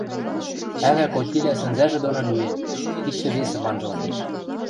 ӓвӓ котилӓ сӹнзӓжӹ доно лӱэн, иктӹм-весӹм анжылтеш.